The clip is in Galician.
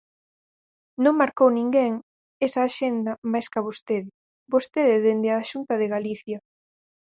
Non marcou ninguén esa axenda máis ca vostede, vostede dende a Xunta de Galicia.